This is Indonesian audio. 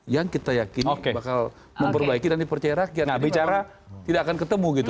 yang kita yakin bakal memperbaiki dan dipercaya rakyat